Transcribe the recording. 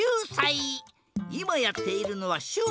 いまやっているのはしゅわ。